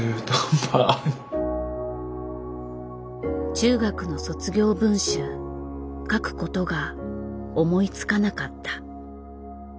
中学の卒業文集書くことが思いつかなかった。